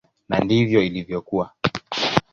Na ndivyo ilivyokuwa.